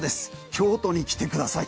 京都に来てください。